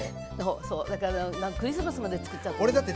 だからクリスマスまで作っちゃって。